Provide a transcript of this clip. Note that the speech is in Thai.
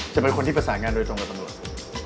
จะเป็นคนที่ประสานงานโดยตรงกับตำรวจ